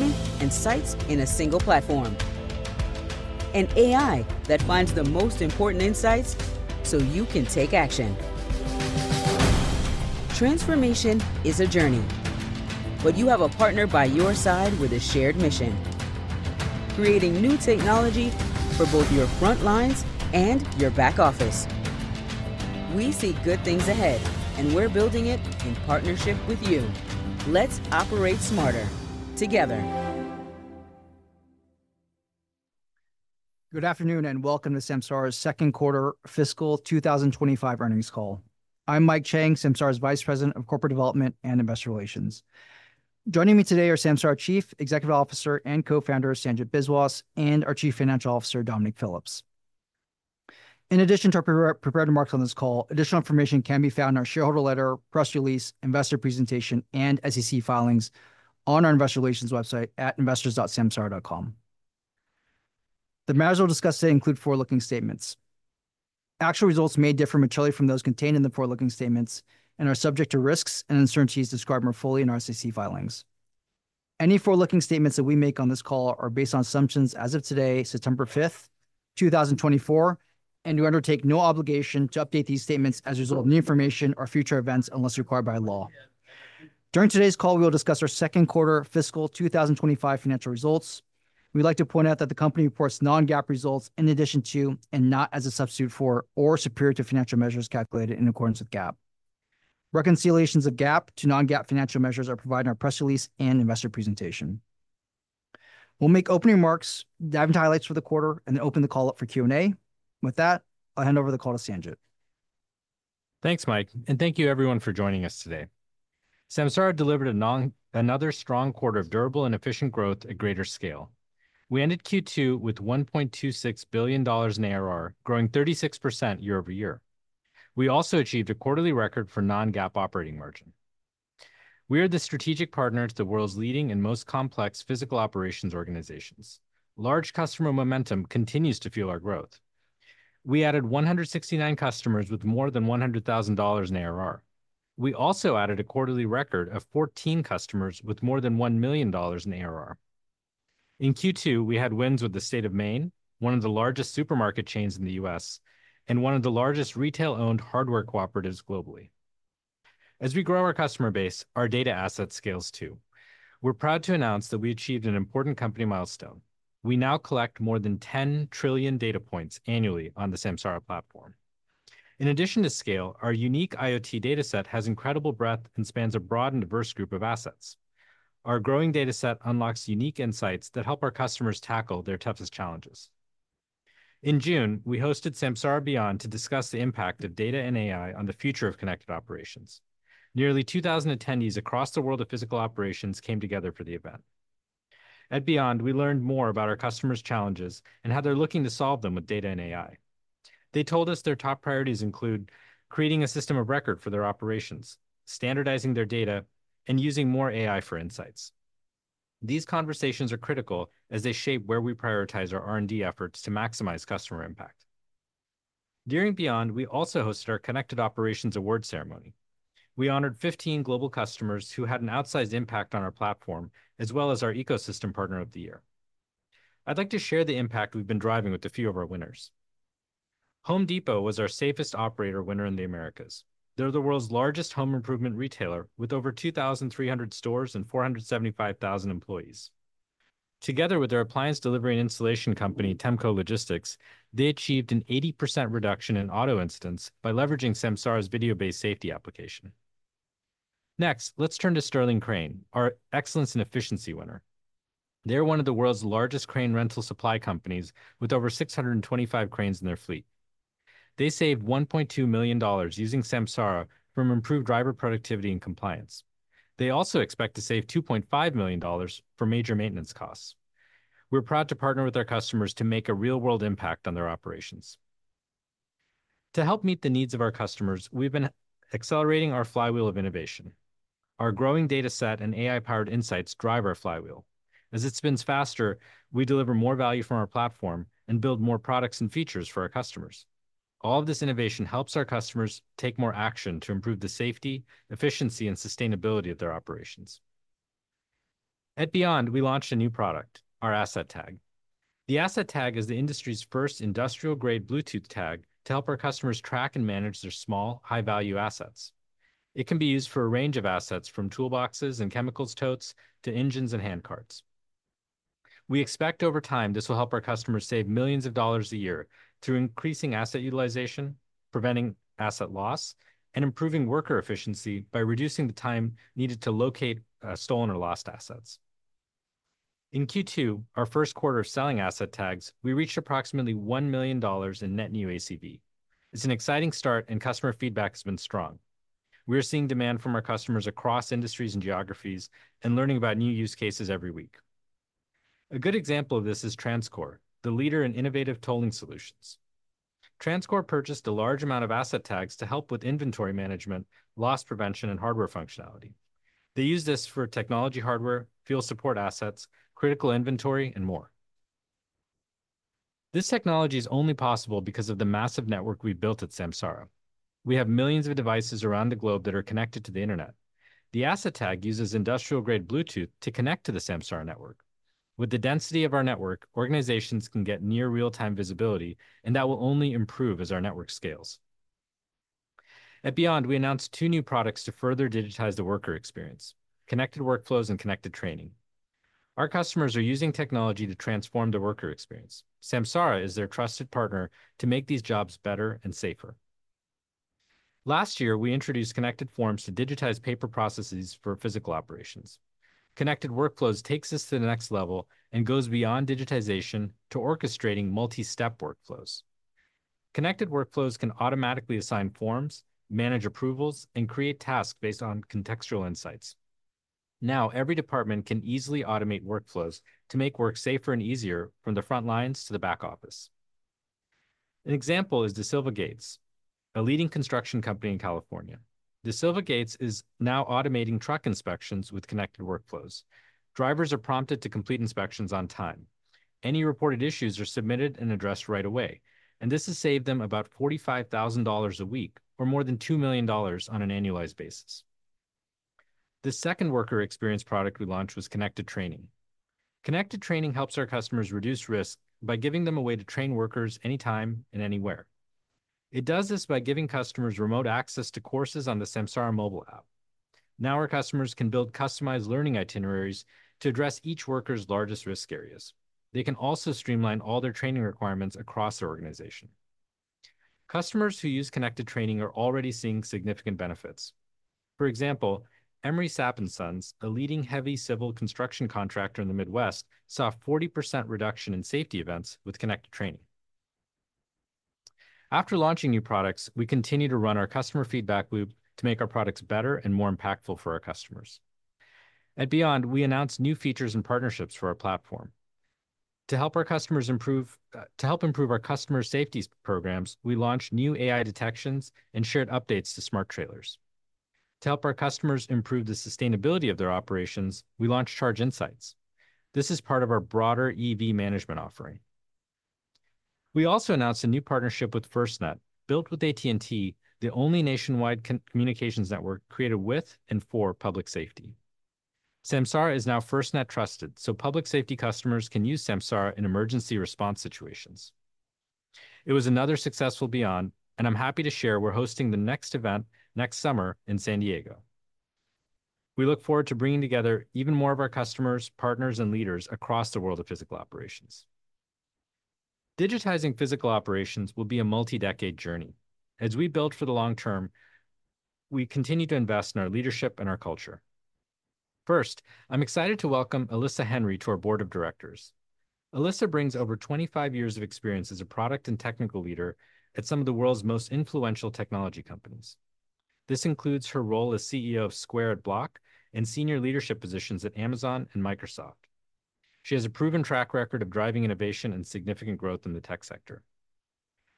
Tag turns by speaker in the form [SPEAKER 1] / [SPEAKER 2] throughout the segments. [SPEAKER 1] equipment, and sites in a single platform. And AI that finds the most important insights, so you can take action. Transformation is a journey, but you have a partner by your side with a shared mission, creating new technology for both your front lines and your back office. We see good things ahead, and we're building it in partnership with you. Let's operate smarter together.
[SPEAKER 2] Good afternoon, and welcome to Samsara's second quarter fiscal 2025 earnings call. I'm Mike Chang, Samsara's Vice President of Corporate Development and Investor Relations. Joining me today are Samsara's Chief Executive Officer and Co-founder, Sanjit Biswas, and our Chief Financial Officer, Dominic Phillips. In addition to our pre-prepared remarks on this call, additional information can be found in our shareholder letter, press release, investor presentation, and SEC filings on our investor relations website at investors.samsara.com. The matters we'll discuss today include forward-looking statements. Actual results may differ materially from those contained in the forward-looking statements and are subject to risks and uncertainties described more fully in our SEC filings. Any forward-looking statements that we make on this call are based on assumptions as of today, September 5th, 2024, and we undertake no obligation to update these statements as a result of new information or future events, unless required by law. During today's call, we'll discuss our second quarter fiscal 2025 financial results. We'd like to point out that the company reports non-GAAP results in addition to, and not as a substitute for, or superior to financial measures calculated in accordance with GAAP. Reconciliations of GAAP to non-GAAP financial measures are provided in our press release and investor presentation. We'll make opening remarks, dive into highlights for the quarter, and then open the call up for Q&A. With that, I'll hand over the call to Sanjit.
[SPEAKER 3] Thanks, Mike, and thank you everyone for joining us today. Samsara delivered another strong quarter of durable and efficient growth at greater scale. We ended Q2 with $1.26 billion in ARR, growing 36% year over year. We also achieved a quarterly record for non-GAAP operating margin. We are the strategic partner to the world's leading and most complex physical operations organizations. Large customer momentum continues to fuel our growth. We added 169 customers with more than $100,000 in ARR. We also added a quarterly record of 14 customers with more than $1 million in ARR. In Q2, we had wins with the state of Maine, one of the largest supermarket chains in the U.S., and one of the largest retail-owned hardware cooperatives globally. As we grow our customer base, our data asset scales, too. We're proud to announce that we achieved an important company milestone. We now collect more than 10 trillion data points annually on the Samsara platform. In addition to scale, our unique IoT data set has incredible breadth and spans a broad and diverse group of assets. Our growing data set unlocks unique insights that help our customers tackle their toughest challenges. In June, we hosted Samsara Beyond to discuss the impact of data and AI on the future of connected operations. Nearly 2,000 attendees across the world of physical operations came together for the event. At Beyond, we learned more about our customers' challenges and how they're looking to solve them with data and AI. They told us their top priorities include: creating a system of record for their operations, standardizing their data, and using more AI for insights. These conversations are critical as they shape where we prioritize our R&D efforts to maximize customer impact. During Beyond, we also hosted our Connected Operations award ceremony. We honored 15 global customers who had an outsized impact on our platform, as well as our Ecosystem Partner of the Year. I'd like to share the impact we've been driving with a few of our winners. Home Depot was our Safest Operator winner in the Americas. They're the world's largest home improvement retailer, with over 2,300 stores and 475,000 employees. Together with their appliance delivery and installation company, Temco Logistics, they achieved an 80% reduction in auto incidents by leveraging Samsara's video-based safety application. Next, let's turn to Sterling Crane, our Excellence in Efficiency winner. They're one of the world's largest crane rental supply companies, with over 625 cranes in their fleet. They saved $1.2 million using Samsara from improved driver productivity and compliance. They also expect to save $2.5 million for major maintenance costs. We're proud to partner with our customers to make a real-world impact on their operations. To help meet the needs of our customers, we've been accelerating our flywheel of innovation. Our growing data set and AI-powered insights drive our flywheel. As it spins faster, we deliver more value from our platform and build more products and features for our customers. All of this innovation helps our customers take more action to improve the safety, efficiency, and sustainability of their operations. At Beyond, we launched a new product, our Asset Tag. The Asset Tag is the industry's first industrial-grade Bluetooth tag to help our customers track and manage their small, high-value assets. It can be used for a range of assets, from toolboxes and chemicals totes to engines and hand carts. We expect, over time, this will help our customers save millions of dollars a year through increasing asset utilization, preventing asset loss, and improving worker efficiency by reducing the time needed to locate stolen or lost assets. In Q2, our first quarter of selling Asset Tags, we reached approximately $1 million in net new ACV. It's an exciting start, and customer feedback has been strong. We're seeing demand from our customers across industries and geographies and learning about new use cases every week. A good example of this is TransCore, the leader in innovative tolling solutions. TransCore purchased a large amount of Asset Tags to help with inventory management, loss prevention, and hardware functionality. They use this for technology hardware, field support assets, critical inventory, and more. This technology is only possible because of the massive network we've built at Samsara. We have millions of devices around the globe that are connected to the internet. The Asset Tag uses industrial-grade Bluetooth to connect to the Samsara network. With the density of our network, organizations can get near real-time visibility, and that will only improve as our network scales. At Beyond, we announced two new products to further digitize the worker experience: Connected Workflows and Connected Training. Our customers are using technology to transform the worker experience. Samsara is their trusted partner to make these jobs better and safer. Last year, we introduced Connected Forms to digitize paper processes for physical operations. Connected Workflows takes this to the next level and goes beyond digitization to orchestrating multi-step workflows. Connected Workflows can automatically assign forms, manage approvals, and create tasks based on contextual insights. Now, every department can easily automate workflows to make work safer and easier, from the front lines to the back office. An example is DaSilva Gates, a leading construction company in California. DaSilva Gates is now automating truck inspections with Connected Workflows. Drivers are prompted to complete inspections on time. Any reported issues are submitted and addressed right away, and this has saved them about $45,000 a week, or more than $2 million on an annualized basis. The second worker experience product we launched was Connected Training. Connected Training helps our customers reduce risk by giving them a way to train workers anytime and anywhere. It does this by giving customers remote access to courses on the Samsara mobile app. Now, our customers can build customized learning itineraries to address each worker's largest risk areas. They can also streamline all their training requirements across their organization. Customers who use Connected Training are already seeing significant benefits. For example, Emery Sapp & Sons, a leading heavy civil construction contractor in the Midwest, saw a 40% reduction in safety events with Connected Training. After launching new products, we continue to run our customer feedback loop to make our products better and more impactful for our customers. At Beyond, we announced new features and partnerships for our platform. To help our customers improve, to help improve our customers' safety programs, we launched new AI detections and shared updates to Smart Trailers. To help our customers improve the sustainability of their operations, we launched Charge Insights. This is part of our broader EV management offering. We also announced a new partnership with FirstNet, built with AT&T, the only nationwide communications network created with and for public safety. Samsara is now FirstNet-trusted, so public safety customers can use Samsara in emergency response situations. It was another successful Beyond, and I'm happy to share we're hosting the next event next summer in San Diego. We look forward to bringing together even more of our customers, partners, and leaders across the world of physical operations. Digitizing physical operations will be a multi-decade journey. As we build for the long term, we continue to invest in our leadership and our culture. First, I'm excited to welcome Alyssa Henry to our board of directors. Alyssa brings over twenty-five years of experience as a product and technical leader at some of the world's most influential technology companies. This includes her role as CEO of Square at Block and senior leadership positions at Amazon and Microsoft. She has a proven track record of driving innovation and significant growth in the tech sector.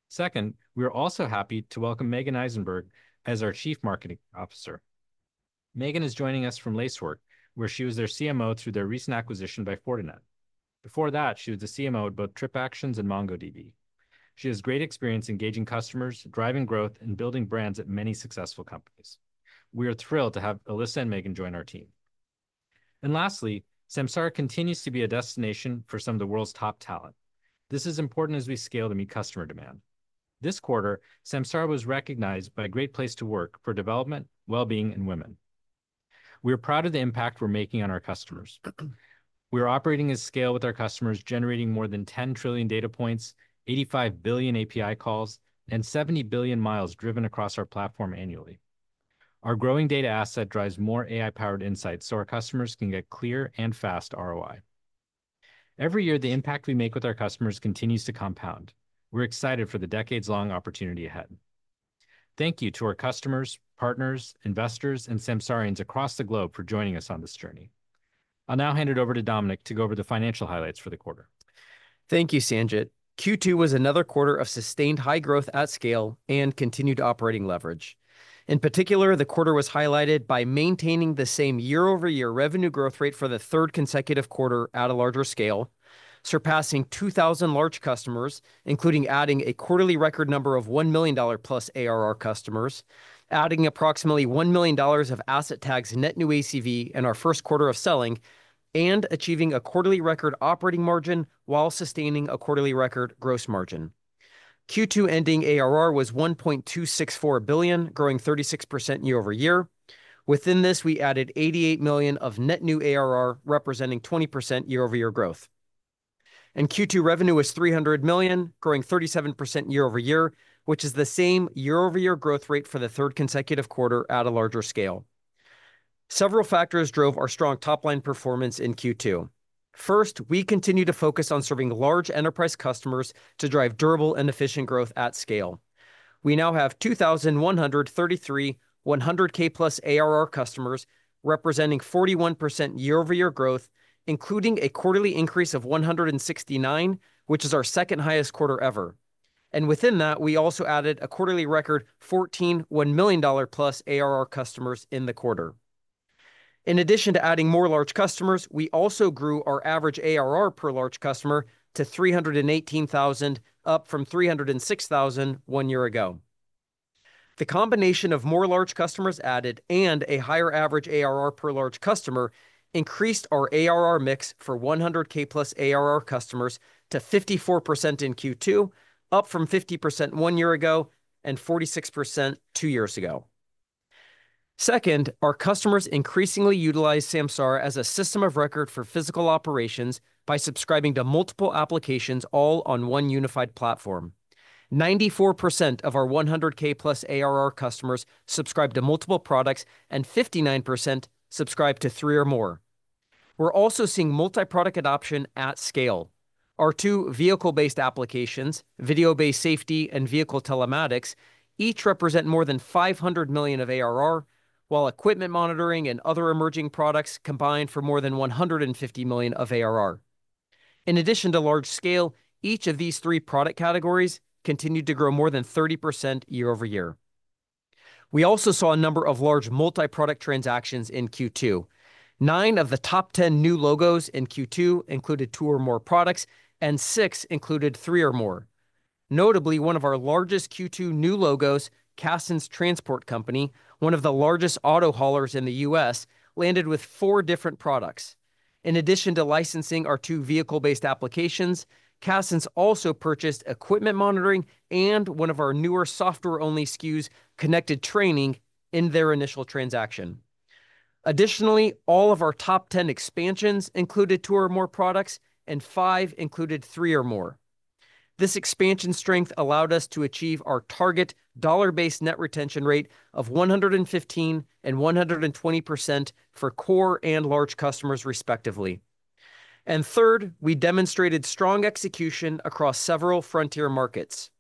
[SPEAKER 3] Second, we are also happy to welcome Megan Eisenberg as our Chief Marketing Officer. Megan is joining us from Lacework, where she was their CMO through their recent acquisition by Fortinet. Before that, she was the CMO at both TripActions and MongoDB. She has great experience engaging customers, driving growth, and building brands at many successful companies. We are thrilled to have Alyssa and Megan join our team. And lastly, Samsara continues to be a destination for some of the world's top talent. This is important as we scale to meet customer demand. This quarter, Samsara was recognized by Great Place to Work for development, wellbeing, and women. We are proud of the impact we're making on our customers. We are operating at scale with our customers, generating more than 10 trillion data points, 85 billion API calls, and 70 billion miles driven across our platform annually. Our growing data asset drives more AI-powered insights so our customers can get clear and fast ROI. Every year, the impact we make with our customers continues to compound. We're excited for the decades-long opportunity ahead. Thank you to our customers, partners, investors, and Samsarians across the globe for joining us on this journey. I'll now hand it over to Dominic to go over the financial highlights for the quarter.
[SPEAKER 4] Thank you, Sanjit. Q2 was another quarter of sustained high growth at scale and continued operating leverage. In particular, the quarter was highlighted by maintaining the same year-over-year revenue growth rate for the third consecutive quarter at a larger scale, surpassing 2,000 large customers, including adding a quarterly record number of $1 million-plus ARR customers, adding approximately $1 million of Asset Tags net new ACV in our first quarter of selling, and achieving a quarterly record operating margin while sustaining a quarterly record gross margin. Q2 ending ARR was 1.264 billion, growing 36% year over year. Within this, we added 88 million of net new ARR, representing 20% year-over-year growth. Q2 revenue was 300 million, growing 37% year over year, which is the same year-over-year growth rate for the third consecutive quarter at a larger scale. Several factors drove our strong top-line performance in Q2. First, we continue to focus on serving large enterprise customers to drive durable and efficient growth at scale. We now have 2,131 100K-plus ARR customers, representing 41% year-over-year growth, including a quarterly increase of 169, which is our second highest quarter ever. And within that, we also added a quarterly record, 14 $1 million-plus ARR customers in the quarter. In addition to adding more large customers, we also grew our average ARR per large customer to $318,000, up from $306,000 one year ago. The combination of more large customers added and a higher average ARR per large customer increased our ARR mix for 100K+ ARR customers to 54% in Q2, up from 50% one year ago and 46% two years ago. Second, our customers increasingly utilize Samsara as a system of record for physical operations by subscribing to multiple applications all on one unified platform. 94% of our 100K+ ARR customers subscribe to multiple products, and 59% subscribe to three or more. We're also seeing multi-product adoption at scale. Our two vehicle-based applications, Video-Based Safety and Vehicle Telematics, each represent more than $500 million of ARR, while Equipment Monitoring and other emerging products combine for more than $150 million of ARR. In addition to large scale, each of these three product categories continued to grow more than 30% year over year. We also saw a number of large multi-product transactions in Q2. Nine of the top ten new logos in Q2 included two or more products, and six included three or more. Notably, one of our largest Q2 new logos, Cassens Transport Company, one of the largest auto haulers in the U.S., landed with four different products. In addition to licensing our two vehicle-based applications, Cassens also purchased Equipment Monitoring and one of our newer software-only SKUs, Connected Training, in their initial transaction. Additionally, all of our top ten expansions included two or more products, and five included three or more. This expansion strength allowed us to achieve our target dollar-based net retention rate of 115% and 120% for core and large customers, respectively. And third, we demonstrated strong execution across several frontier markets.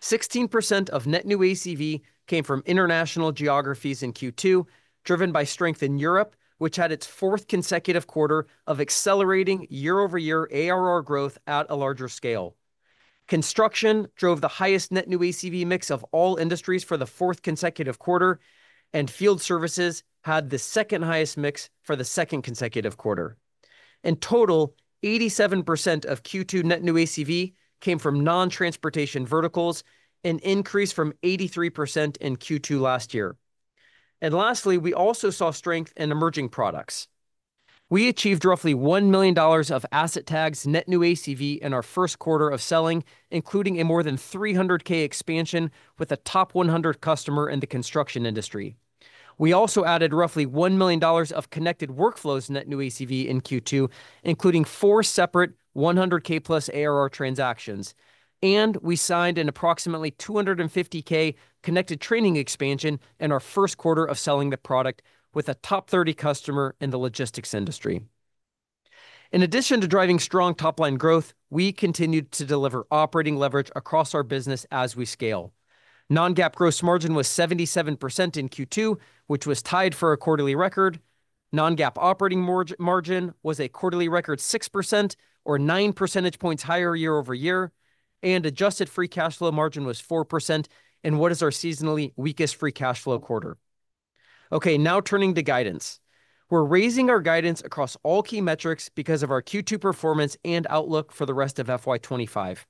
[SPEAKER 4] 16% of net new ACV came from international geographies in Q2, driven by strength in Europe, which had its fourth consecutive quarter of accelerating year-over-year ARR growth at a larger scale. Construction drove the highest net new ACV mix of all industries for the fourth consecutive quarter, and field services had the second-highest mix for the second consecutive quarter. In total, 87% of Q2 net new ACV came from non-transportation verticals, an increase from 83% in Q2 last year. And lastly, we also saw strength in emerging products. We achieved roughly $1 million of Asset Tags net new ACV in our first quarter of selling, including a more than $300K expansion with a top 100 customer in the construction industry. We also added roughly $1 million of Connected Workflows net new ACV in Q2, including four separate $100K+ ARR transactions, and we signed an approximately $250K Connected Training expansion in our first quarter of selling the product with a top 30 customer in the logistics industry. In addition to driving strong top-line growth, we continued to deliver operating leverage across our business as we scale. Non-GAAP gross margin was 77% in Q2, which was tied for a quarterly record. Non-GAAP operating margin was a quarterly record 6%, or nine percentage points higher year over year, and adjusted free cash flow margin was 4% in what is our seasonally weakest free cash flow quarter. Okay, now turning to guidance. We're raising our guidance across all key metrics because of our Q2 performance and outlook for the rest of FY 2025.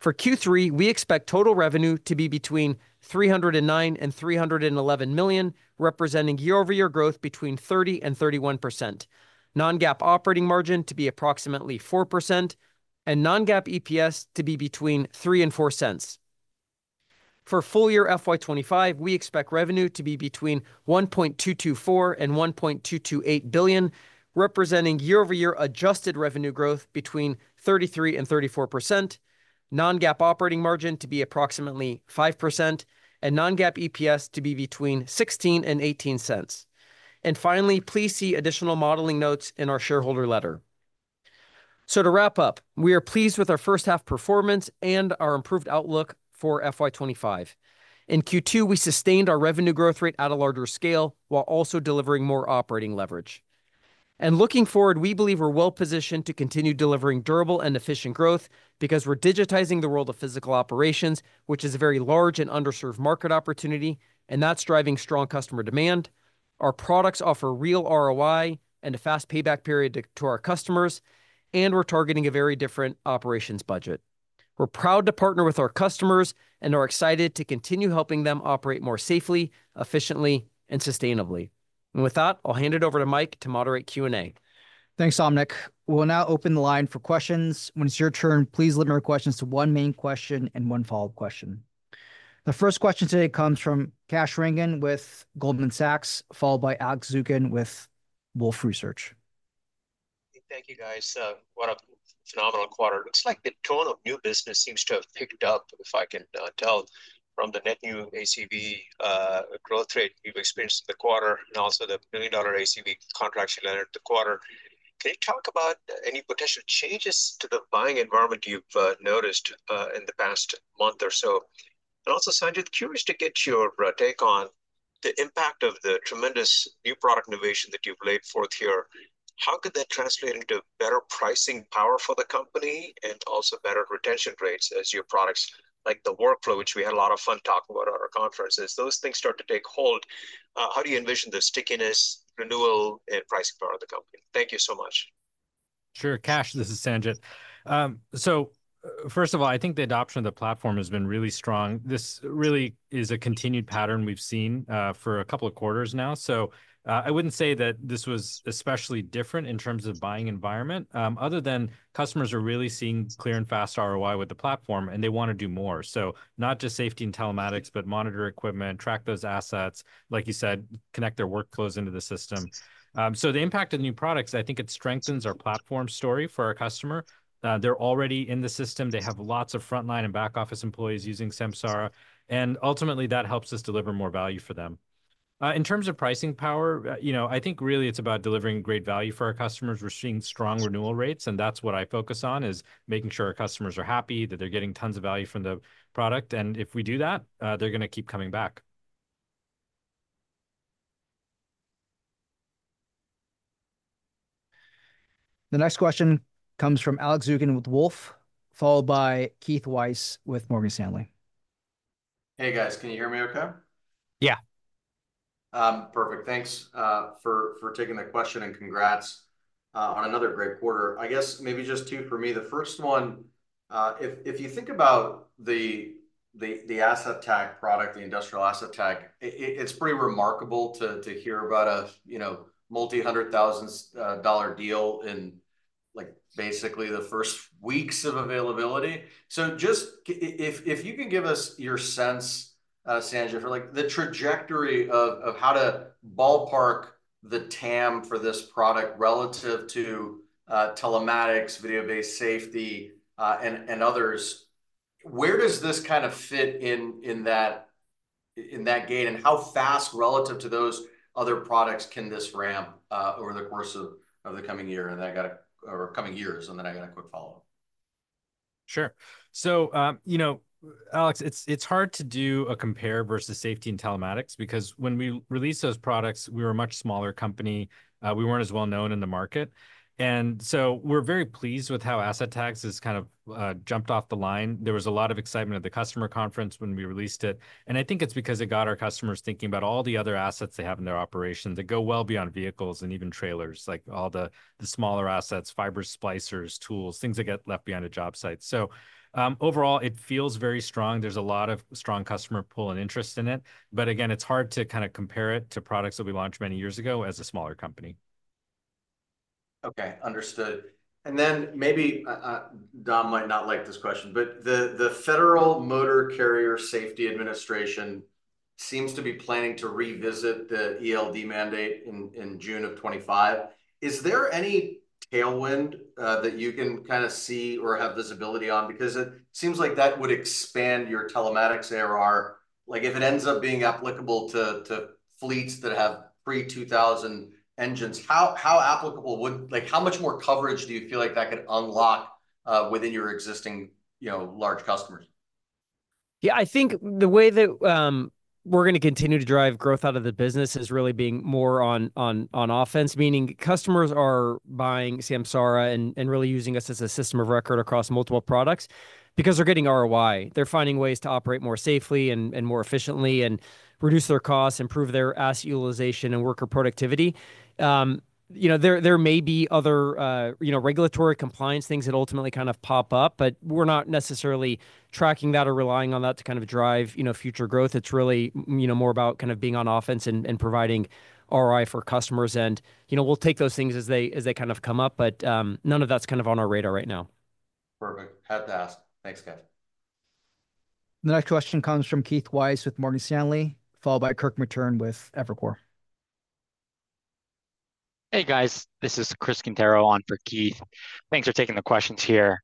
[SPEAKER 4] For Q3, we expect total revenue to be between $309 million and $311 million, representing year-over-year growth between 30% and 31%, non-GAAP operating margin to be approximately 4%, and non-GAAP EPS to be between $0.03 and $0.04. For full year FY 2025, we expect revenue to be between $1.224 billion and $1.228 billion, representing year-over-year adjusted revenue growth between 33% and 34%, non-GAAP operating margin to be approximately 5%, and non-GAAP EPS to be between $0.16 and $0.18. And finally, please see additional modeling notes in our shareholder letter. So to wrap up, we are pleased with our first half performance and our improved outlook for FY 2025. In Q2, we sustained our revenue growth rate at a larger scale, while also delivering more operating leverage. And looking forward, we believe we're well-positioned to continue delivering durable and efficient growth because we're digitizing the world of physical operations, which is a very large and underserved market opportunity, and that's driving strong customer demand. Our products offer real ROI and a fast payback period to our customers, and we're targeting a very different operations budget. We're proud to partner with our customers and are excited to continue helping them operate more safely, efficiently, and sustainably. And with that, I'll hand it over to Mike to moderate Q&A.
[SPEAKER 2] Thanks, operator. We'll now open the line for questions. When it's your turn, please limit your questions to one main question and one follow-up question. The first question today comes from Kash Rangan with Goldman Sachs, followed by Alex Zukin with Wolfe Research.
[SPEAKER 5] Thank you, guys. What a phenomenal quarter. Looks like the tone of new business seems to have picked up, if I can tell from the net new ACV growth rate you've experienced in the quarter, and also the million-dollar ACV contracts you landed the quarter. Can you talk about any potential changes to the buying environment you've noticed in the past month or so? And also, Sanjit, curious to get your take on the impact of the tremendous new product innovation that you've laid forth here. How could that translate into better pricing power for the company and also better retention rates as your products, like the workflow, which we had a lot of fun talking about at our conferences, those things start to take hold, how do you envision the stickiness, renewal, and pricing power of the company? Thank you so much....
[SPEAKER 3] Sure, Kash, this is Sanjit. So, first of all, I think the adoption of the platform has been really strong. This really is a continued pattern we've seen for a couple of quarters now. So, I wouldn't say that this was especially different in terms of buying environment, other than customers are really seeing clear and fast ROI with the platform, and they want to do more. So not just safety and telematics, but monitor equipment, track those assets, like you said, connect their workflows into the system. So the impact of the new products, I think it strengthens our platform story for our customer. They're already in the system. They have lots of frontline and back office employees using Samsara, and ultimately, that helps us deliver more value for them. In terms of pricing power, you know, I think really it's about delivering great value for our customers. We're seeing strong renewal rates, and that's what I focus on, is making sure our customers are happy, that they're getting tons of value from the product, and if we do that, they're going to keep coming back.
[SPEAKER 2] The next question comes from Alex Zukin with Wolfe, followed by Keith Weiss with Morgan Stanley.
[SPEAKER 6] Hey, guys, can you hear me okay?
[SPEAKER 3] Yeah.
[SPEAKER 6] Perfect. Thanks for taking the question, and congrats on another great quarter. I guess maybe just two for me. The first one, if you think about the Asset Tag product, the industrial Asset Tag, it's pretty remarkable to hear about a, you know, multi-hundred thousands dollar deal in, like, basically the first weeks of availability. So just if you can give us your sense, Sanjit, for, like, the trajectory of how to ballpark the TAM for this product relative to telematics, video-based safety, and others. Where does this kind of fit in, in that gate, and how fast relative to those other products can this ramp over the course of the coming year? And then I got a quick follow-up.
[SPEAKER 3] Sure. So, you know, Alex, it's hard to do a compare versus safety and telematics, because when we released those products, we were a much smaller company. We weren't as well known in the market. And so we're very pleased with how asset tags has kind of jumped off the line. There was a lot of excitement at the customer conference when we released it, and I think it's because it got our customers thinking about all the other assets they have in their operation that go well beyond vehicles and even trailers, like all the smaller assets, fiber splicers, tools, things that get left behind a job site. So, overall, it feels very strong. There's a lot of strong customer pull and interest in it, but again, it's hard to kind of compare it to products that we launched many years ago as a smaller company.
[SPEAKER 6] Okay, understood. And then maybe, Dom might not like this question, but the Federal Motor Carrier Safety Administration seems to be planning to revisit the ELD mandate in June of 2025. Is there any tailwind that you can kind of see or have visibility on? Because it seems like that would expand your telematics ARR. Like, if it ends up being applicable to fleets that have pre-2000 engines, how applicable would... Like, how much more coverage do you feel like that could unlock within your existing, you know, large customers?
[SPEAKER 4] Yeah, I think the way that we're going to continue to drive growth out of the business is really being more on offense, meaning customers are buying Samsara and really using us as a system of record across multiple products because they're getting ROI. They're finding ways to operate more safely and more efficiently and reduce their costs, improve their asset utilization and worker productivity. You know, there may be other, you know, regulatory compliance things that ultimately kind of pop up, but we're not necessarily tracking that or relying on that to kind of drive, you know, future growth. It's really, you know, more about kind of being on offense and providing ROI for customers. You know, we'll take those things as they kind of come up, but none of that's kind of on our radar right now.
[SPEAKER 6] Perfect. Had to ask. Thanks, guys.
[SPEAKER 2] The next question comes from Keith Weiss with Morgan Stanley, followed by Kirk Materne with Evercore.
[SPEAKER 7] Hey, guys. This is Chris Quintero on for Keith. Thanks for taking the questions here.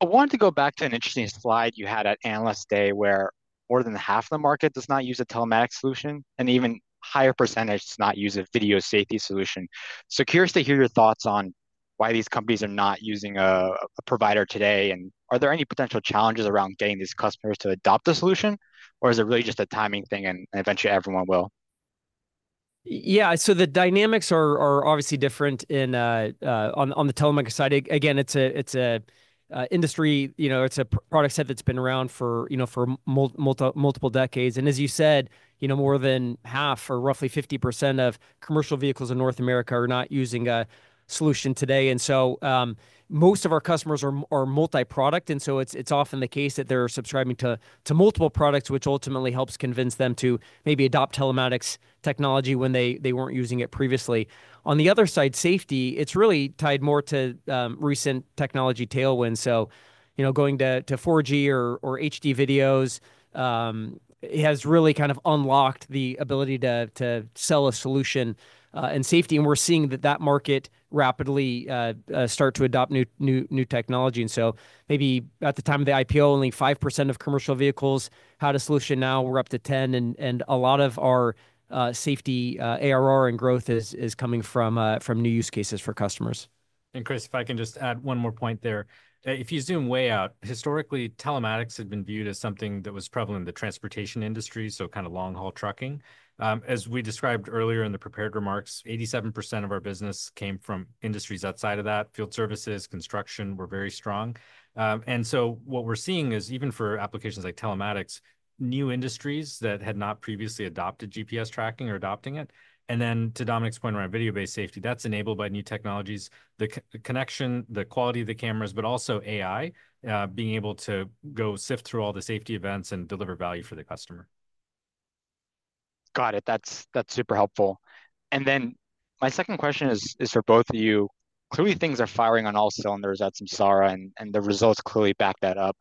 [SPEAKER 7] I wanted to go back to an interesting slide you had at Analyst Day, where more than half the market does not use a telematics solution and an even higher percentage does not use a video safety solution. So curious to hear your thoughts on why these companies are not using a provider today, and are there any potential challenges around getting these customers to adopt a solution, or is it really just a timing thing and eventually everyone will?
[SPEAKER 4] Yeah, so the dynamics are obviously different on the telematics side. Again, it's a industry. You know, it's a product set that's been around for, you know, for multiple decades. And as you said, you know, more than half, or roughly 50% of commercial vehicles in North America are not using a solution today. And so, most of our customers are multi-product, and so it's often the case that they're subscribing to multiple products, which ultimately helps convince them to maybe adopt telematics technology when they weren't using it previously. On the other side, safety, it's really tied more to recent technology tailwinds. So, you know, going to 4G or HD videos, it has really kind of unlocked the ability to sell a solution in safety, and we're seeing that market rapidly start to adopt new technology. And so maybe at the time of the IPO, only 5% of commercial vehicles had a solution. Now we're up to 10%, and a lot of our safety ARR and growth is coming from new use cases for customers.
[SPEAKER 3] Chris, if I can just add one more point there. If you zoom way out, historically, telematics had been viewed as something that was prevalent in the transportation industry, so kind of long-haul trucking. As we described earlier in the prepared remarks, 87% of our business came from industries outside of that. Field services, construction were very strong. And so what we're seeing is, even for applications like telematics, new industries that had not previously adopted GPS tracking are adopting it. And then, to Dominic's point around video-based safety, that's enabled by new technologies: the cloud connection, the quality of the cameras, but also AI, being able to go sift through all the safety events and deliver value for the customer. ...
[SPEAKER 7] Got it. That's, that's super helpful. And then my second question is, is for both of you. Clearly, things are firing on all cylinders at Samsara, and, and the results clearly back that up.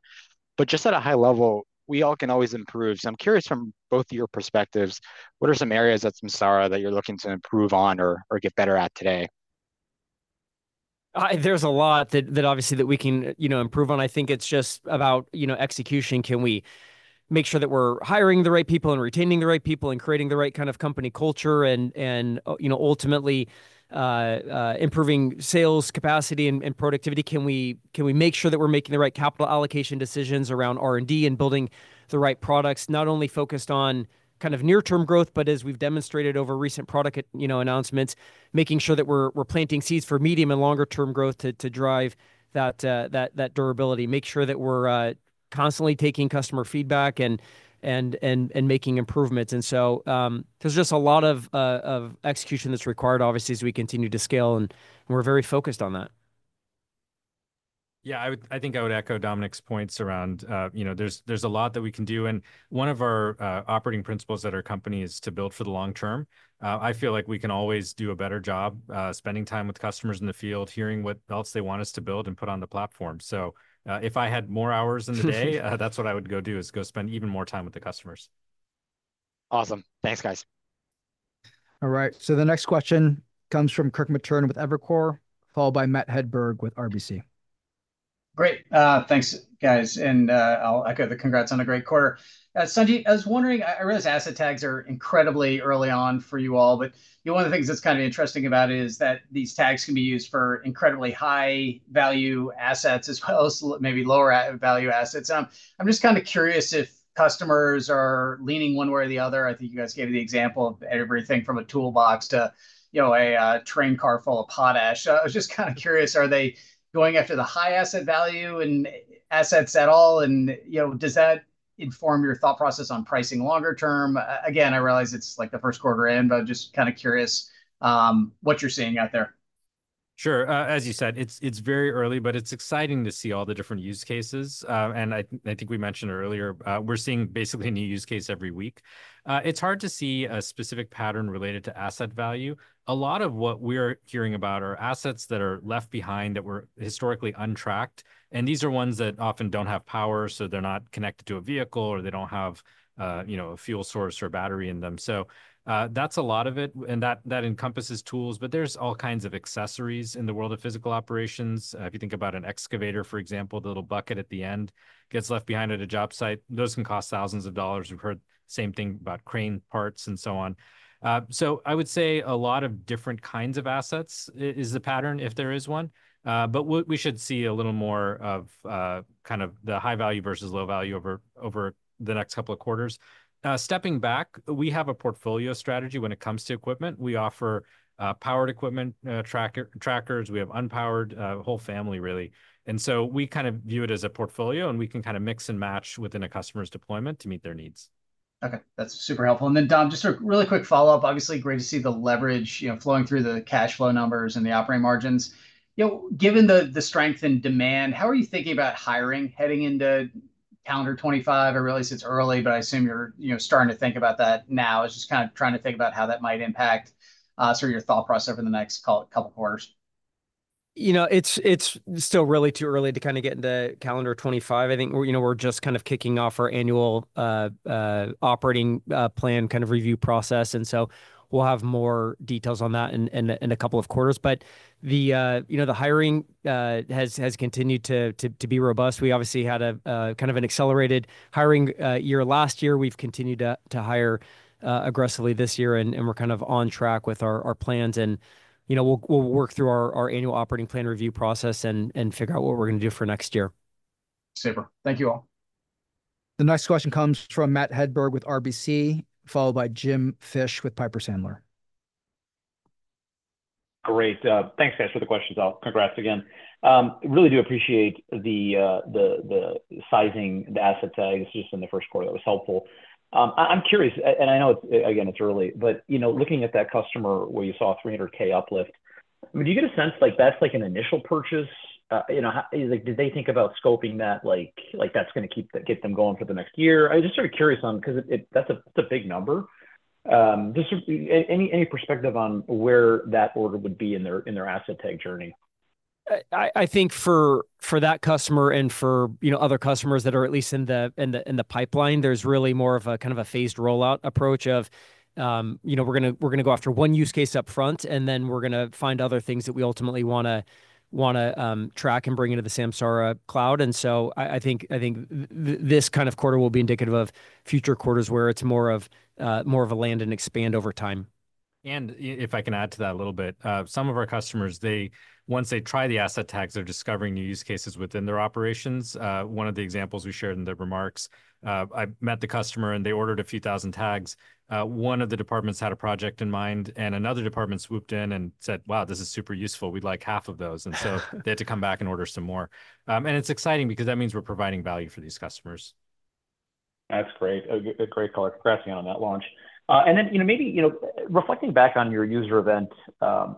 [SPEAKER 7] But just at a high level, we all can always improve. So I'm curious from both of your perspectives, what are some areas at Samsara that you're looking to improve on or, or get better at today?
[SPEAKER 4] There's a lot that obviously we can, you know, improve on. I think it's just about, you know, execution. Can we make sure that we're hiring the right people and retaining the right people and creating the right kind of company culture and, you know, ultimately, improving sales capacity and productivity? Can we make sure that we're making the right capital allocation decisions around R&D and building the right products, not only focused on kind of near-term growth, but as we've demonstrated over recent product, you know, announcements, making sure that we're planting seeds for medium and longer term growth to drive that durability? Make sure that we're constantly taking customer feedback and making improvements. There's just a lot of execution that's required, obviously, as we continue to scale, and we're very focused on that.
[SPEAKER 3] Yeah, I think I would echo Dominic's points around, you know, there's a lot that we can do, and one of our operating principles at our company is to build for the long term. I feel like we can always do a better job spending time with customers in the field, hearing what else they want us to build and put on the platform, so if I had more hours in the day, that's what I would go do, is go spend even more time with the customers.
[SPEAKER 7] Awesome. Thanks, guys.
[SPEAKER 2] All right, so the next question comes from Kirk Materne with Evercore, followed by Matt Hedberg with RBC.
[SPEAKER 8] Great. Thanks, guys, and, I'll echo the congrats on a great quarter. Sanjit, I was wondering, I realize asset tags are incredibly early on for you all, but, you know, one of the things that's kind of interesting about it is that these tags can be used for incredibly high-value assets, as well as maybe lower-value assets. I'm just kind of curious if customers are leaning one way or the other. I think you guys gave the example of everything from a toolbox to, you know, a, train car full of potash. I was just kind of curious, are they going after the high-value assets at all? And, you know, does that inform your thought process on pricing longer term? Again, I realize it's, like, the first quarter in, but I'm just kind of curious what you're seeing out there.
[SPEAKER 3] Sure. As you said, it's very early, but it's exciting to see all the different use cases. And I think we mentioned earlier, we're seeing basically a new use case every week. It's hard to see a specific pattern related to asset value. A lot of what we're hearing about are assets that are left behind that were historically untracked, and these are ones that often don't have power, so they're not connected to a vehicle, or they don't have, you know, a fuel source or battery in them. So, that's a lot of it, and that encompasses tools, but there's all kinds of accessories in the world of physical operations. If you think about an excavator, for example, the little bucket at the end gets left behind at a job site, those can cost thousands of dollars. We've heard the same thing about crane parts, and so on. So I would say a lot of different kinds of assets is the pattern, if there is one. But we should see a little more of kind of the high value versus low value over the next couple of quarters. Stepping back, we have a portfolio strategy when it comes to equipment. We offer powered equipment trackers. We have unpowered, a whole family, really. And so we kind of view it as a portfolio, and we can kind of mix and match within a customer's deployment to meet their needs.
[SPEAKER 8] Okay, that's super helpful. And then, Dom, just a really quick follow-up. Obviously, great to see the leverage, you know, flowing through the cash flow numbers and the operating margins. You know, given the strength in demand, how are you thinking about hiring, heading into calendar 2025? I realize it's early, but I assume you're, you know, starting to think about that now. I was just kind of trying to think about how that might impact, sort of your thought process over the next couple quarters.
[SPEAKER 4] You know, it's still really too early to kind of get into calendar 2025. I think we're, you know, we're just kind of kicking off our annual operating plan kind of review process, and so we'll have more details on that in a couple of quarters. The, you know, the hiring has continued to be robust. We obviously had a kind of an accelerated hiring year last year. We've continued to hire aggressively this year, and we're kind of on track with our plans. You know, we'll work through our annual operating plan review process and figure out what we're gonna do for next year.
[SPEAKER 8] Super. Thank you all.
[SPEAKER 2] The next question comes from Matt Hedberg with RBC, followed by Jim Fish with Piper Sandler.
[SPEAKER 9] Great. Thanks, guys, for the questions. Congrats again. Really do appreciate the sizing, the asset tags, just in the first quarter. That was helpful. I'm curious, and I know it's, again, it's early, but, you know, looking at that customer where you saw a $300K uplift, I mean, do you get a sense, like, that's like an initial purchase? You know, how, like, did they think about scoping that, like, that's gonna get them going for the next year? I was just sort of curious on, because it, that's a big number. Just any perspective on where that order would be in their asset tag journey?
[SPEAKER 4] I think for that customer and for, you know, other customers that are at least in the pipeline, there's really more of a kind of a phased rollout approach of, you know, we're gonna go after one use case up front, and then we're gonna find other things that we ultimately wanna track and bring into the Samsara cloud. And so I think this kind of quarter will be indicative of future quarters, where it's more of a land and expand over time.
[SPEAKER 3] And if I can add to that a little bit, some of our customers, they, once they try the asset tags, they're discovering new use cases within their operations. One of the examples we shared in the remarks, I met the customer, and they ordered a few thousand tags. One of the departments had a project in mind, and another department swooped in and said, "Wow, this is super useful. We'd like half of those." And so they had to come back and order some more. And it's exciting because that means we're providing value for these customers.
[SPEAKER 9] That's great. A great color, congrats to you on that launch. And then, you know, maybe, you know, reflecting back on your user event,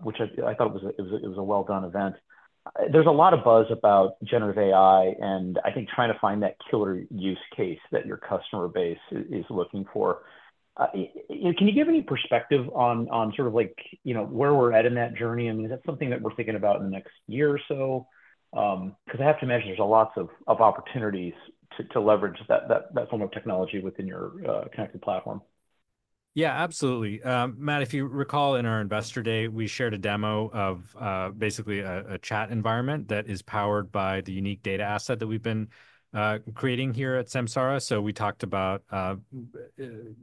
[SPEAKER 9] which I thought it was a well-done event. ... There's a lot of buzz about generative AI, and I think trying to find that killer use case that your customer base is looking for. Can you give any perspective on sort of like, you know, where we're at in that journey? I mean, is that something that we're thinking about in the next year or so? 'Cause I have to imagine there's lots of opportunities to leverage that form of technology within your connected platform.
[SPEAKER 3] Yeah, absolutely. Matt, if you recall in our Investor Day, we shared a demo of basically a chat environment that is powered by the unique data asset that we've been creating here at Samsara. So we talked about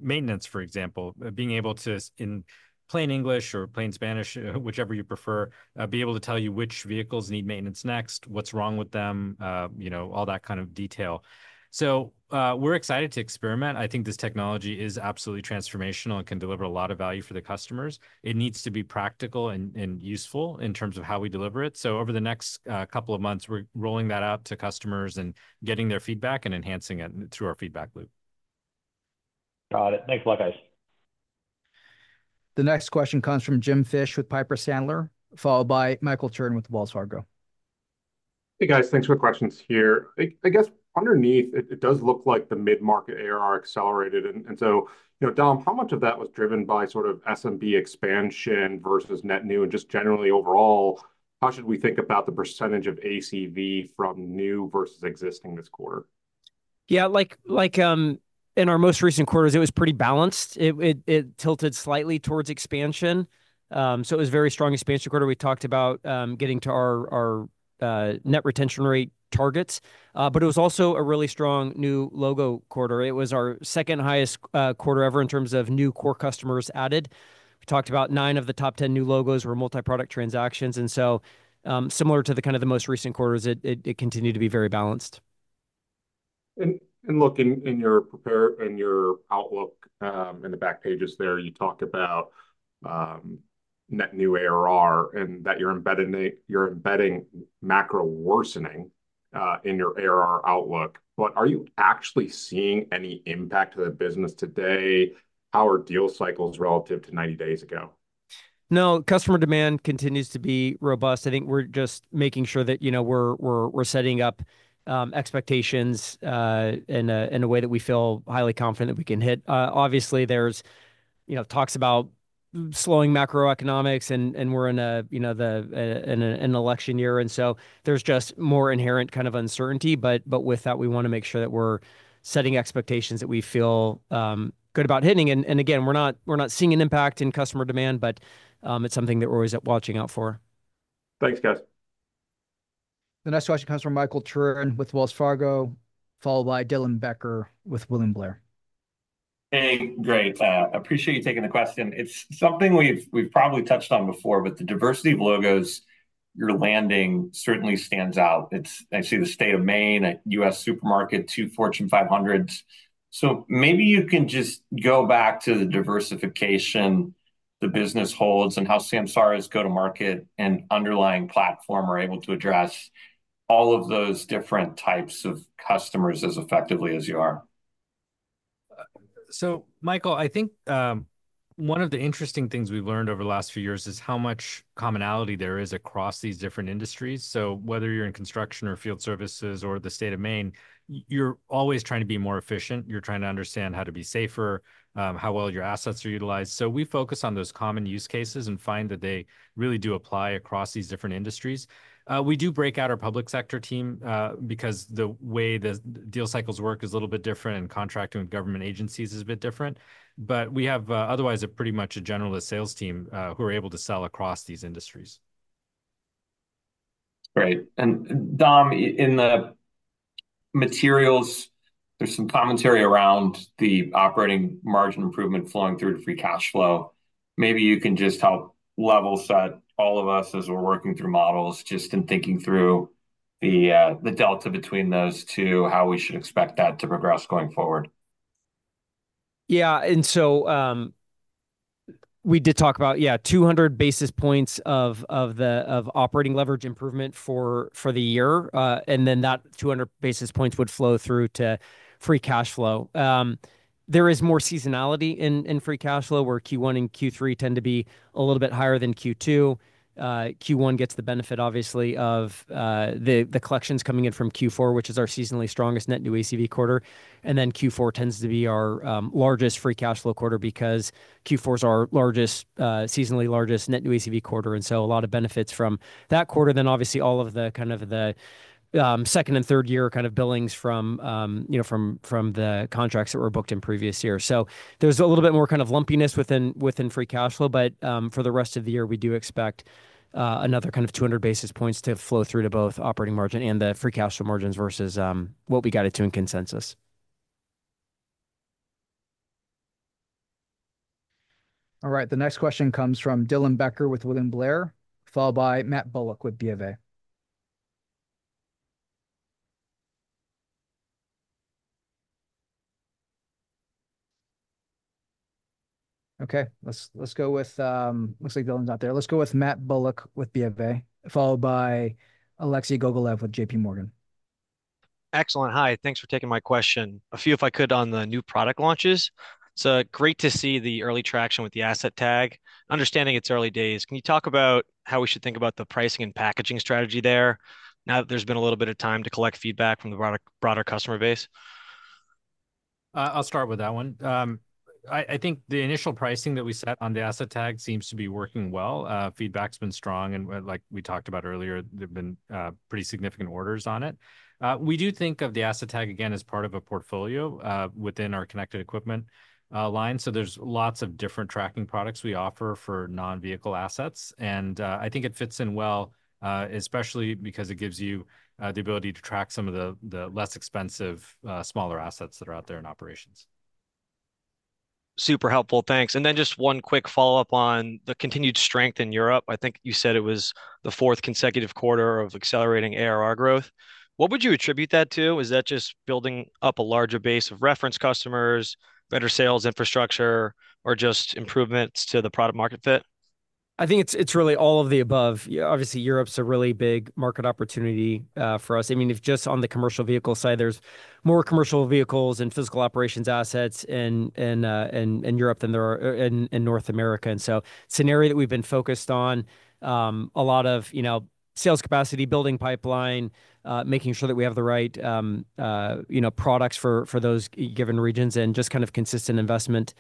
[SPEAKER 3] maintenance, for example, being able to, in plain English or plain Spanish, whichever you prefer, be able to tell you which vehicles need maintenance next, what's wrong with them, you know, all that kind of detail. So, we're excited to experiment. I think this technology is absolutely transformational and can deliver a lot of value for the customers. It needs to be practical and useful in terms of how we deliver it, so over the next couple of months, we're rolling that out to customers and getting their feedback and enhancing it through our feedback loop.
[SPEAKER 9] Got it. Thanks a lot, guys.
[SPEAKER 2] The next question comes from Jim Fish with Piper Sandler, followed by Michael Turrin with Wells Fargo.
[SPEAKER 10] Hey, guys. Thanks for the questions here. I guess underneath, it does look like the mid-market ARR accelerated, and so, you know, Dom, how much of that was driven by sort of SMB expansion versus net new? And just generally, overall, how should we think about the percentage of ACV from new versus existing this quarter?
[SPEAKER 4] Yeah, like, in our most recent quarters, it was pretty balanced. It tilted slightly towards expansion. So it was a very strong expansion quarter. We talked about getting to our net retention rate targets, but it was also a really strong new logo quarter. It was our second-highest quarter ever in terms of new core customers added. We talked about nine of the top ten new logos were multi-product transactions, and so, similar to the kind of the most recent quarters, it continued to be very balanced.
[SPEAKER 10] And look, in your outlook, in the back pages there, you talked about net new ARR and that you're embedding a... You're embedding macro worsening in your ARR outlook, but are you actually seeing any impact to the business today? How are deal cycles relative to 90 days ago?
[SPEAKER 4] No, customer demand continues to be robust. I think we're just making sure that, you know, we're setting up expectations in a way that we feel highly confident we can hit. Obviously, there's, you know, talks about slowing macroeconomics, and we're in a, you know, an election year, and so there's just more inherent kind of uncertainty, but with that, we want to make sure that we're setting expectations that we feel good about hitting, and again, we're not seeing an impact in customer demand, but it's something that we're always up watching out for.
[SPEAKER 10] Thanks, guys.
[SPEAKER 2] The next question comes from Michael Turrin with Wells Fargo, followed by Dylan Becker with William Blair.
[SPEAKER 11] Hey, great. Appreciate you taking the question. It's something we've probably touched on before, but the diversity of logos you're landing certainly stands out. It's. I see the state of Maine, a U.S. supermarket, two Fortune 500s. So maybe you can just go back to the diversification the business holds and how Samsara's go-to-market and underlying platform are able to address all of those different types of customers as effectively as you are.
[SPEAKER 3] So Michael, I think one of the interesting things we've learned over the last few years is how much commonality there is across these different industries. So whether you're in construction or field services or the state of Maine, you're always trying to be more efficient. You're trying to understand how to be safer, how well your assets are utilized. So we focus on those common use cases and find that they really do apply across these different industries. We do break out our public sector team because the way the deal cycles work is a little bit different, and contracting with government agencies is a bit different. But we have otherwise pretty much a generalist sales team who are able to sell across these industries.
[SPEAKER 9] Right. And Dom, in the materials, there's some commentary around the operating margin improvement flowing through to free cash flow. Maybe you can just help level set all of us as we're working through models, just in thinking through the delta between those two, how we should expect that to progress going forward.
[SPEAKER 4] Yeah. So we did talk about 200 basis points of the operating leverage improvement for the year. And then that 200 basis points would flow through to free cash flow. There is more seasonality in free cash flow, where Q1 and Q3 tend to be a little bit higher than Q2. Q1 gets the benefit, obviously, of the collections coming in from Q4, which is our seasonally strongest net new ACV quarter. And then Q4 tends to be our largest free cash flow quarter because Q4 is our seasonally largest net new ACV quarter, and so a lot of benefits from that quarter. Then, obviously, all of the kind of the second and third-year kind of billings from you know, from the contracts that were booked in previous years. So there's a little bit more kind of lumpiness within free cash flow, but for the rest of the year, we do expect another kind of 200 basis points to flow through to both operating margin and the free cash flow margins versus what we guided to in consensus.
[SPEAKER 2] All right, the next question comes from Dylan Becker with William Blair, followed by Matt Bullock with BofA. Okay, let's go with... Looks like Dylan's not there. Let's go with Matt Bullock with BofA, followed by Alexei Gogolev with J.P. Morgan....
[SPEAKER 12] Excellent. Hi, thanks for taking my question. A few, if I could, on the new product launches. So great to see the early traction with the Asset Tag. Understanding it's early days, can you talk about how we should think about the pricing and packaging strategy there now that there's been a little bit of time to collect feedback from the broader customer base?
[SPEAKER 3] I'll start with that one. I think the initial pricing that we set on the Asset Tag seems to be working well. Feedback's been strong, and like we talked about earlier, there've been pretty significant orders on it. We do think of the Asset Tag, again, as part of a portfolio within our connected equipment line, so there's lots of different tracking products we offer for non-vehicle assets, and I think it fits in well, especially because it gives you the ability to track some of the less expensive smaller assets that are out there in operations.
[SPEAKER 12] Super helpful. Thanks, and then just one quick follow-up on the continued strength in Europe. I think you said it was the fourth consecutive quarter of accelerating ARR growth. What would you attribute that to? Is that just building up a larger base of reference customers, better sales infrastructure, or just improvements to the product market fit?
[SPEAKER 4] I think it's, it's really all of the above. Yeah, obviously, Europe's a really big market opportunity for us. I mean, if just on the commercial vehicle side, there's more commercial vehicles and physical operations assets in Europe than there are in North America. And so scenario that we've been focused on, a lot of, you know, sales capacity, building pipeline, making sure that we have the right, you know, products for those European given regions, and just kind of consistent investment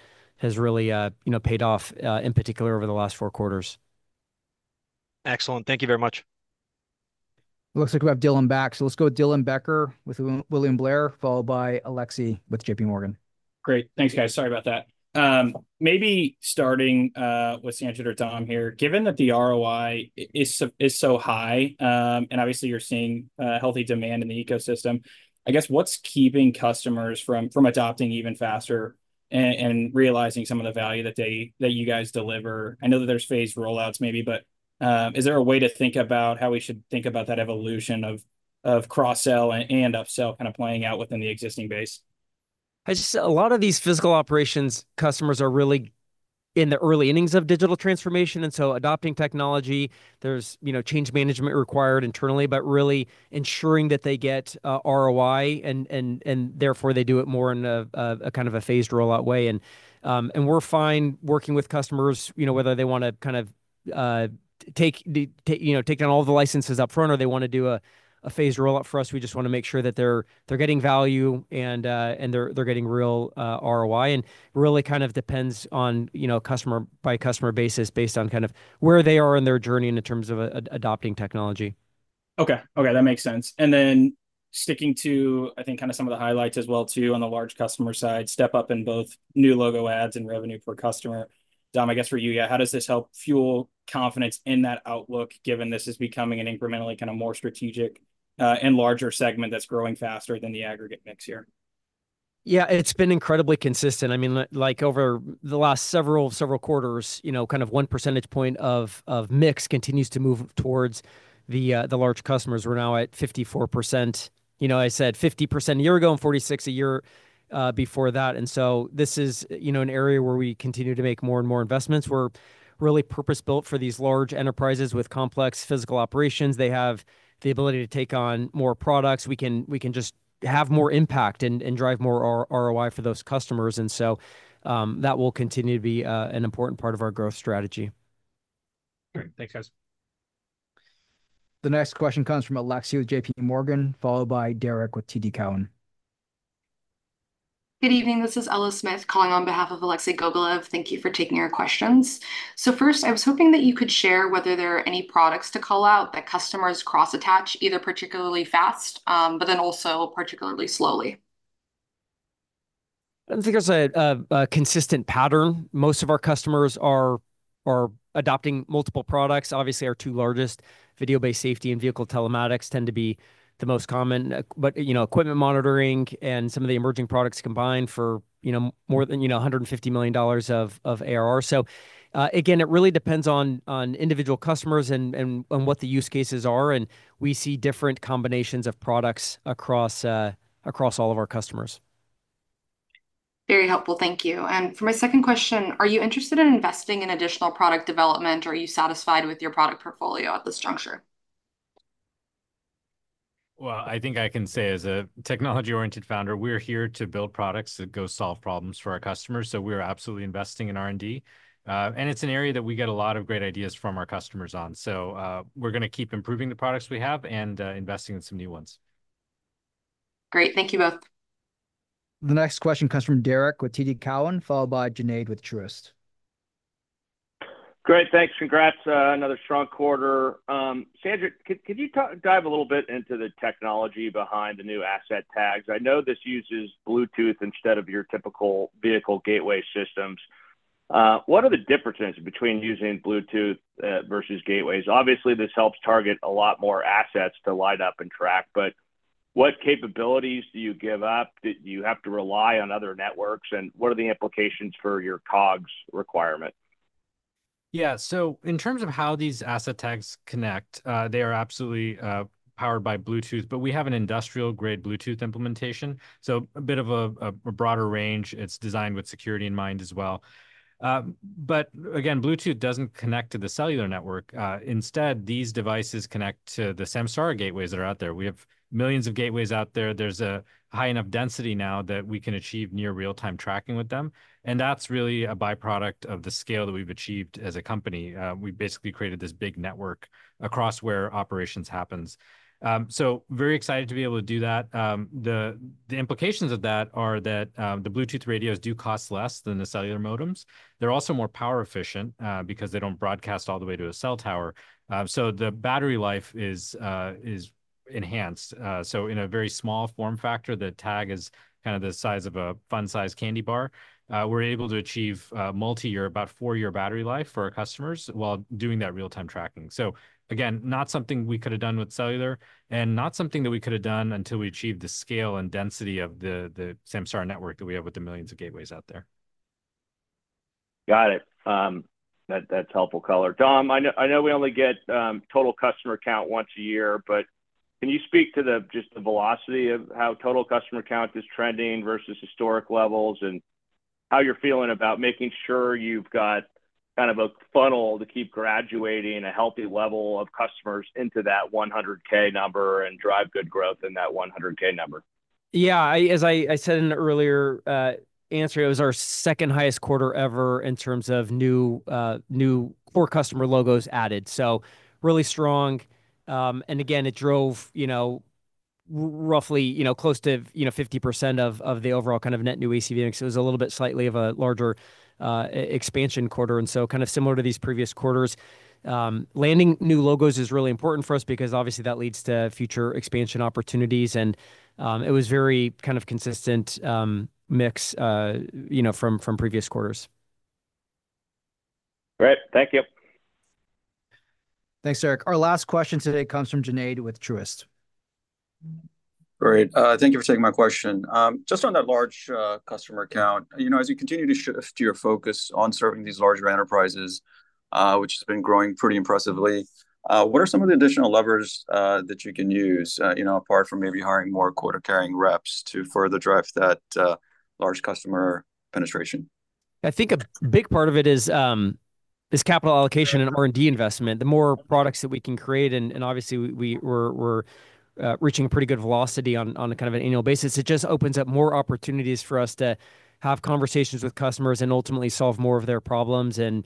[SPEAKER 4] has really, you know, paid off in particular over the last four quarters.
[SPEAKER 12] Excellent. Thank you very much.
[SPEAKER 2] Looks like we have Dylan back, so let's go with Dylan Becker with William Blair, followed by Alexei with J.P. Morgan.
[SPEAKER 13] Great. Thanks, guys. Sorry about that. Maybe starting with Sanjit or Tom here, given that the ROI is so high, and obviously you're seeing healthy demand in the ecosystem, I guess, what's keeping customers from adopting even faster and realizing some of the value that you guys deliver? I know that there's phased rollouts maybe, but, is there a way to think about how we should think about that evolution of cross-sell and up-sell kind of playing out within the existing base?
[SPEAKER 4] I just... A lot of these physical operations customers are really in the early innings of digital transformation, and so adopting technology, there's, you know, change management required internally, but really ensuring that they get ROI, and therefore, they do it more in a kind of a phased rollout way. And we're fine working with customers, you know, whether they want to kind of take the- you know, take down all the licenses up front, or they want to do a phased rollout. For us, we just want to make sure that they're getting value and they're getting real ROI, and really kind of depends on, you know, customer-by-customer basis, based on kind of where they are in their journey in terms of a adopting technology.
[SPEAKER 13] Okay. Okay, that makes sense and then sticking to, I think, kind of some of the highlights as well, too, on the large customer side, step up in both new logo adds and revenue per customer. Dom, I guess for you, yeah, how does this help fuel confidence in that outlook, given this is becoming an incrementally kind of more strategic and larger segment that's growing faster than the aggregate mix here?
[SPEAKER 4] Yeah, it's been incredibly consistent. I mean, like, over the last several quarters, you know, kind of one percentage point of mix continues to move towards the large customers. We're now at 54%. You know, I said 50% a year ago, and 46% a year before that, and so this is, you know, an area where we continue to make more and more investments. We're really purpose-built for these large enterprises with complex physical operations. They have the ability to take on more products. We can just have more impact and drive more ROI for those customers, and so that will continue to be an important part of our growth strategy.
[SPEAKER 13] Great. Thanks, guys.
[SPEAKER 2] The next question comes from Alexei with J.P. Morgan, followed by Derek with TD Cowen.
[SPEAKER 14] Good evening. This is Ella Smith, calling on behalf of Alexei Gogolev. Thank you for taking our questions. So first, I was hoping that you could share whether there are any products to call out that customers cross-attach, either particularly fast, but then also particularly slowly?
[SPEAKER 4] I don't think there's a consistent pattern. Most of our customers are adopting multiple products. Obviously, our two largest, Video-Based Safety and Vehicle Telematics, tend to be the most common, but, you know, Equipment Monitoring and some of the emerging products combined for, you know, more than $150 million of ARR. So, again, it really depends on individual customers and on what the use cases are, and we see different combinations of products across all of our customers.
[SPEAKER 14] Very helpful. Thank you. And for my second question, are you interested in investing in additional product development, or are you satisfied with your product portfolio at this juncture?
[SPEAKER 3] I think I can say, as a technology-oriented founder, we're here to build products that go solve problems for our customers, so we are absolutely investing in R&D. It's an area that we get a lot of great ideas from our customers on. We're gonna keep improving the products we have and investing in some new ones.
[SPEAKER 14] Great. Thank you both.
[SPEAKER 2] The next question comes from Derek with TD Cowen, followed by Junaid with Truist.
[SPEAKER 15] Great, thanks. Congrats, another strong quarter. Sanjit, could you dive a little bit into the technology behind the new Asset Tags? I know this uses Bluetooth instead of your typical vehicle gateway systems. What are the differences between using Bluetooth versus gateways? Obviously, this helps target a lot more assets to light up and track, but what capabilities do you give up that you have to rely on other networks, and what are the implications for your COGS requirement? ...
[SPEAKER 3] Yeah, so in terms of how these Asset Tags connect, they are absolutely powered by Bluetooth, but we have an industrial-grade Bluetooth implementation, so a bit of a broader range. It's designed with security in mind as well, but again, Bluetooth doesn't connect to the cellular network, instead, these devices connect to the Samsara gateways that are out there. We have millions of gateways out there. There's a high enough density now that we can achieve near real-time tracking with them, and that's really a by-product of the scale that we've achieved as a company. We've basically created this big network across where operations happens, so very excited to be able to do that. The implications of that are that the Bluetooth radios do cost less than the cellular modems. They're also more power efficient, because they don't broadcast all the way to a cell tower. So the battery life is enhanced. So in a very small form factor, the tag is kind of the size of a fun-sized candy bar. We're able to achieve multi-year, about four-year battery life for our customers while doing that real-time tracking. So again, not something we could have done with cellular, and not something that we could have done until we achieved the scale and density of the Samsara network that we have with the millions of gateways out there.
[SPEAKER 15] Got it. That, that's helpful color. Dom, I know, I know we only get total customer count once a year, but can you speak to just the velocity of how total customer count is trending versus historic levels, and how you're feeling about making sure you've got kind of a funnel to keep graduating a healthy level of customers into that 100K number and drive good growth in that 100K number?
[SPEAKER 4] Yeah, as I said in an earlier answer, it was our second-highest quarter ever in terms of new core customer logos added, so really strong. And again, it drove, you know, roughly, you know, close to, you know, 50% of the overall kind of net new ACV mix. It was a little bit slightly of a larger expansion quarter, and so kind of similar to these previous quarters. Landing new logos is really important for us because obviously that leads to future expansion opportunities, and it was very kind of consistent mix from previous quarters.
[SPEAKER 15] Great. Thank you.
[SPEAKER 2] Thanks, Eric. Our last question today comes from Junaid with Truist.
[SPEAKER 15] Great. Thank you for taking my question. Just on that large customer count, you know, as you continue to shift your focus on serving these larger enterprises, which has been growing pretty impressively, what are some of the additional levers that you can use, you know, apart from maybe hiring more quota-carrying reps to further drive that large customer penetration?
[SPEAKER 4] I think a big part of it is capital allocation and R&D investment. The more products that we can create, and obviously, we're reaching a pretty good velocity on a kind of an annual basis, it just opens up more opportunities for us to have conversations with customers and ultimately solve more of their problems and,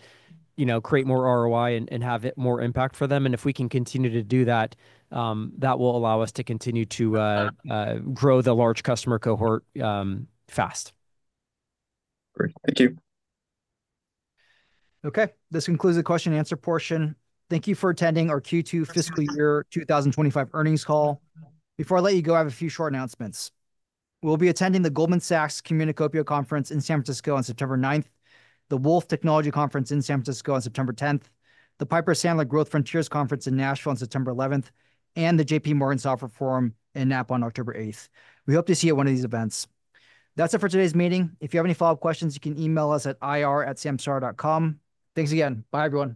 [SPEAKER 4] you know, create more ROI and have it more impact for them, and if we can continue to do that, that will allow us to continue to grow the large customer cohort fast.
[SPEAKER 15] Great. Thank you.
[SPEAKER 2] Okay, this concludes the question and answer portion. Thank you for attending our Q2 Fiscal Year 2025 earnings call. Before I let you go, I have a few short announcements. We'll be attending the Goldman Sachs Communacopia Conference in San Francisco on September 9th, the Wolfe Technology Conference in San Francisco on September 10th, the Piper Sandler Growth Frontiers Conference in Nashville on September 11th, and the J.P. Morgan Software Forum in Napa on October 8th. We hope to see you at one of these events. That's it for today's meeting. If you have any follow-up questions, you can email us at ir@samsara.com. Thanks again. Bye, everyone.